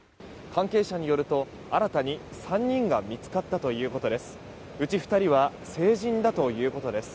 関係者によると新たに３人が見つかったということです。